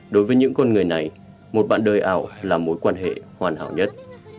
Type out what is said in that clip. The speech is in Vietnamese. đối với những con người này một bạn đời ảo là mối quan hệ hoàn hảo nhất